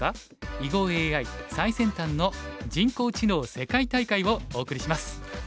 囲碁ＡＩ最先端の人工知能世界大会」をお送りします。